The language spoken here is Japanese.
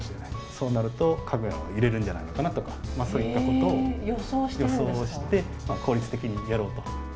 そうなるとＫＡＧＲＡは揺れるんじゃないのかなとかそういったことを予想して効率的にやろうと。